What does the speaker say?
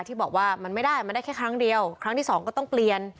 ที่บอกว่ามันไม่ได้มันได้แค่ครั้งเดียวครั้งที่สองก็ต้องเปลี่ยน